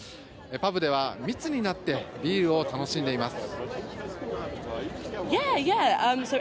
パブでは密になってビールを楽しんでいます。